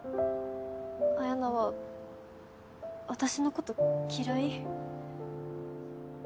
彩菜は私のこと嫌い？